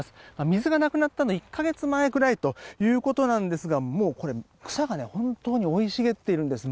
水がなくなったのは１か月くらい前ということですがもう、草が生い茂っているんです。